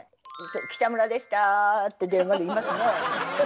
「北村でした」って電話で言いますね。